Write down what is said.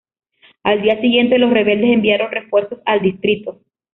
Al día siguiente, los rebeldes enviaron refuerzos al distrito.